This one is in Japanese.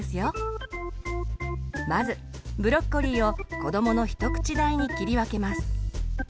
まずブロッコリーを子どもの一口大に切り分けます。